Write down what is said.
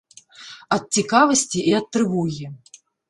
Ад цікавасці і ад трывогі.